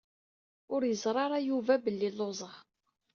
Ur yeẓri ara Yuba belli lluẓeɣ.